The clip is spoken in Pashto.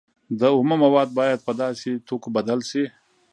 دا اومه مواد باید په داسې توکو بدل شي